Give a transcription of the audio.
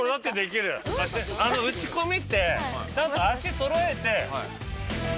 貸して打ち込みってちゃんと足そろえて。